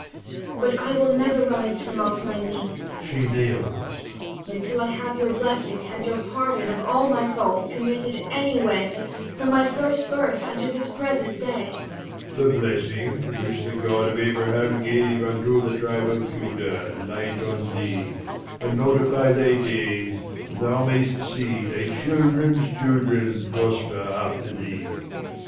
Cor. But I will never rise from off my knee, [She kneels. Until I have your blessing, and your pardon Of all my faults committed any way, 230 Sc. iv] HIS THREE DAUGHTERS 93 From my first birth unto this present day. Leir. The blessing, which the God of Abraham gave Unto the tribe of Judah, light on thee, And multiply thy days, that thou may'st see Thy children's children prosper after thee.